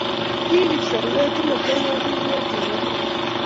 Kii chepserwet imetoi yateiywot eng orit